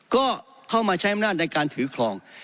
ก็เข้ามาใช้อำนาจในการถือครอง